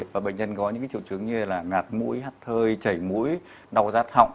và bệnh nhân có những triệu chứng như là ngạt mũi hắt hơi chảy mũi đau rát họng